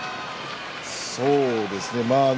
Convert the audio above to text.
そうですね。